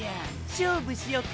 勝負しよか！